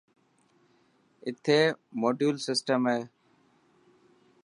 اٿي موڊيول سيٽم هي.